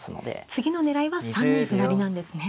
次の狙いは３二歩成なんですね。